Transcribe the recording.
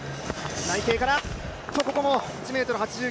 内傾から、ここも１ｍ８９ｃｍ。